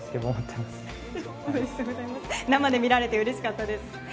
生で見られてうれしかったです。